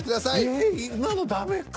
ええっ今のダメか？